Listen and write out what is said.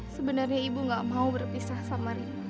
sebenarnya ibu gak mau berpisah sama ibu